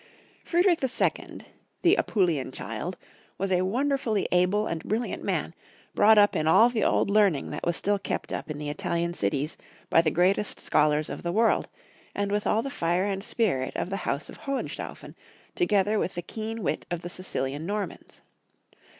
FRIEDRICH II., "the Apulian chUd," was a wonderfully able and brilliant man, brought Tip in all the old learning that was still kept up in the Italian cities by the greatest scholars of the world, and with all the fire and spirit of the House of Hohenstaufen, together with the keen wit of the Sicilian Normans.